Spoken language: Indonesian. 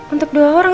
untuk dua orang